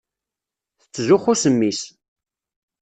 Tettzuxxu s mmi-s.